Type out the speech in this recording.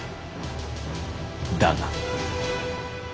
だが。